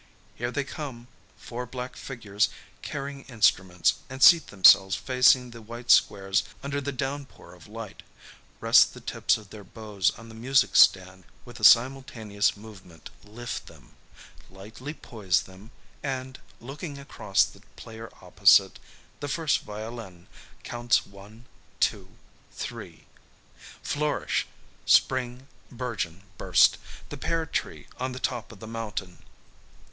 Here they come; four black figures, carrying instruments, and seat themselves facing the white squares under the downpour of light; rest the tips of their bows on the music stand; with a simultaneous movement lift them; lightly poise them, and, looking across at the player opposite, the first violin counts one, two, three Flourish, spring, burgeon, burst! The pear tree on the top of the mountain.